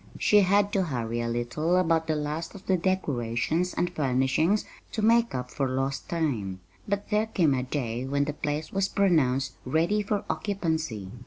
She had to hurry a little about the last of the decorations and furnishings to make up for lost time; but there came a day when the place was pronounced ready for occupancy.